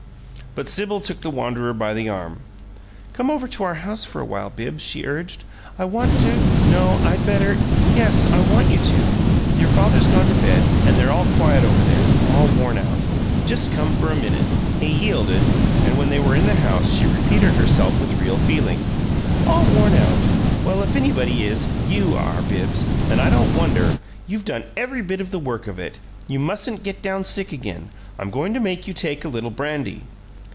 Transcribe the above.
But Sibyl took the wanderer by the arm. "Come over to our house for a little while, Bibbs," she urged. "I want to " "No, I'd better " "Yes. I want you to. Your father's gone to bed, and they're all quiet over there all worn out. Just come for a minute." He yielded, and when they were in the house she repeated herself with real feeling: "'All worn out!' Well, if anybody is, YOU are, Bibbs! And I don't wonder; you've done every bit of the work of it. You mustn't get down sick again. I'm going to make you take a little brandy."